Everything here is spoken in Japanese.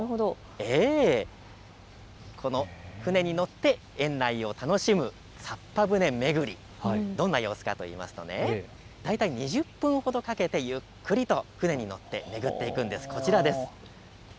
舟に乗って園内を楽しむさっぱ舟巡り、どんな様子かというと大体２０分ほどかけてゆっくりと舟に乗って巡っていくんです。